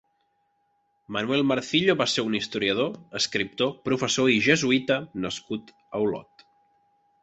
Manuel Marcillo va ser un historiador, escriptor, professor i jesuïta nascut a Olot.